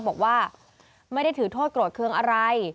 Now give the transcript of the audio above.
บอกว่าไม่ได้ถือโทษโกรธเครื่องอะไร